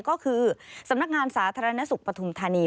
ก็คือสำนักงานสาธารณสุขปฐุมธานี